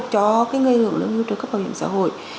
cho người hưởng lương hưu trợ cấp bảo hiểm xã hội